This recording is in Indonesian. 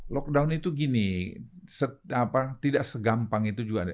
lockdown itu gini tidak segampang itu juga ada